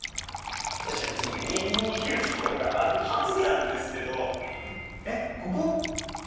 そしたら次右に行けるところがあるはずなんですけど。